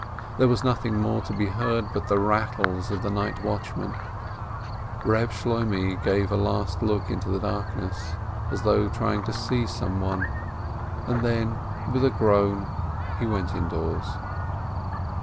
There was nothing more to be heard but the rattles of the night watchmen. Keb Shloimeh gave a last look into the darkness, as though trying to see someone, and then, with a groan, he went indoors.